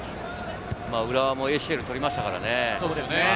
浦和もＡＣＬ取りましたからね。